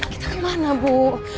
kita kemana bu